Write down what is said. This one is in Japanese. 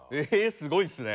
すごいっすね。